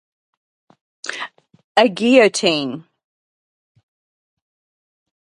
A guillotine